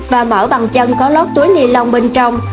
và mở bằng chân có lót túi ni lông bên trong